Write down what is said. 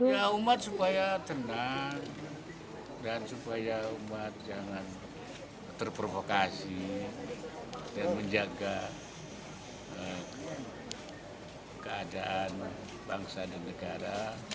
ya umat supaya tenang dan supaya umat jangan terprovokasi dan menjaga keadaan bangsa dan negara